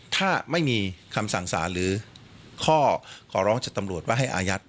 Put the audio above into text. ถ้าไม่มีคำสั่งสารหรือข้อขอร้องจากตำรวจว่าให้อายัด